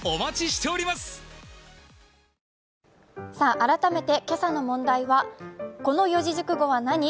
改めて今朝の問題はこの四字熟語は何？